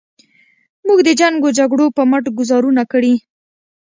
موږ د جنګ و جګړو په مټ ګوزارونه کړي.